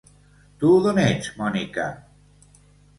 Tu d'on ets, Mònica?